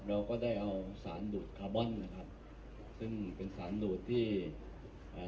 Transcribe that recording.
เราก็ได้เอาสารดูดคาร์บอนนะครับซึ่งเป็นสารดูดที่อ่า